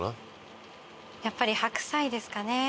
やっぱり白菜ですかね。